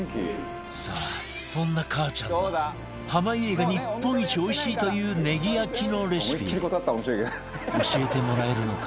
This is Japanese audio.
さあそんなかあちゃんの濱家が日本一おいしいというネギ焼きのレシピ教えてもらえるのか？